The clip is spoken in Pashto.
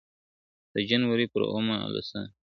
د جنوري پر اووه لسمه ,